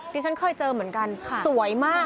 ดิฉันเคยเจอเหมือนกันสวยมาก